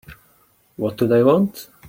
What do they want?